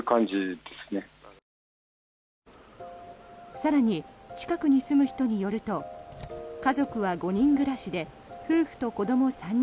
更に近くに住む人によると家族は５人暮らしで夫婦と子ども３人。